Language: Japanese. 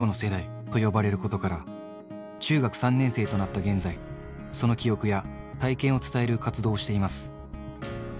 震災の記憶がある最後の世代と呼ばれることから、中学３年生となった現在、その記憶や体験を伝える活動をしています。